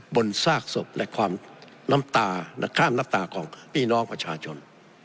บนซากศพและความน้ำตาข้ามน้ำตาของพี่น้องประชาชน